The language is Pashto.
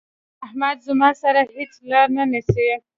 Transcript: احمد زما سره هيڅ لار نه نيسي.